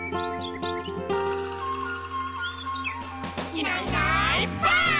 「いないいないばあっ！」